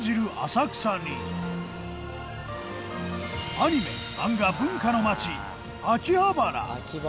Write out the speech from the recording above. アニメ漫画文化の街秋葉原。